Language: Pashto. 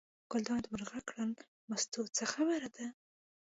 ګلداد ور غږ کړل: مستو څه خبره ده.